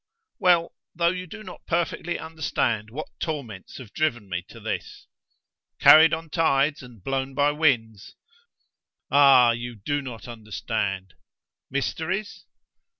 "Well, though you do not perfectly understand what torments have driven me to this." "Carried on tides and blown by winds?" "Ah! you do not understand." "Mysteries?"